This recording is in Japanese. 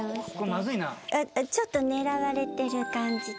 ちょっと狙われている感じで。